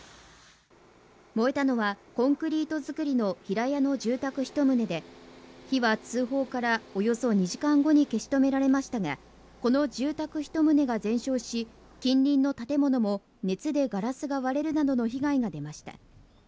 燃えたのは、コンクリート造りの平屋の住宅１棟で、火は通報からおよそ２時間後に消し止められましたが、この住宅１棟が全焼し、近隣の建物も熱でガラスが割れるなどの被害が出ました。